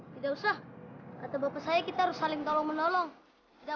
tidak usah kata bapak saya kita harus saling tolong menolong